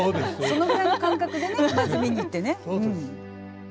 そのぐらいの感覚でねまず見に行ってね。